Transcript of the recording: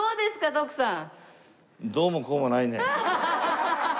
徳さん。